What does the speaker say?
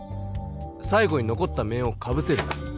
さい後にのこった面をかぶせる。